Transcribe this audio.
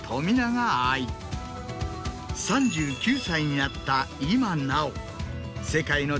３９歳になった今なお。